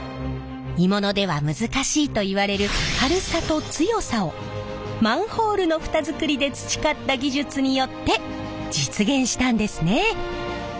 鋳物では難しいといわれる軽さと強さをマンホールの蓋作りで培った技術によって実現したんですね。